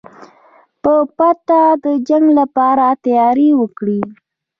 په پټه د جنګ لپاره تیاری وکړئ.